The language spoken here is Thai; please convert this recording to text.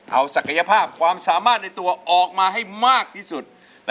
เอาศักยภาพความสามารถในตัวออกมาให้มากที่สุด